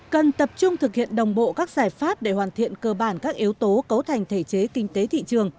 cần tập trung thực hiện đồng bộ các giải pháp để hoàn thiện cơ bản các yếu tố cấu thành thể chế kinh tế thị trường